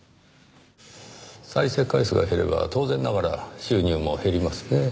再生回数が減れば当然ながら収入も減りますねぇ。